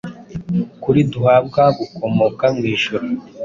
ukuri duhabwa gukomoka mu ijuru.